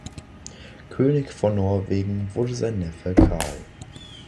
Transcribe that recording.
König von Norwegen wurde sein Neffe Carl.